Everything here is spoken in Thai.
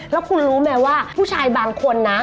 แล้วคุณรู้ไหมว่าผู้ชายบางคนนะ